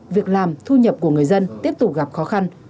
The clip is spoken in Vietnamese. việc làm thu nhập của người dân tiếp tục gặp khó khăn